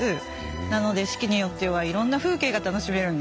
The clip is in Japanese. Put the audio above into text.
なので四季によってはいろんな風景が楽しめるんですよ。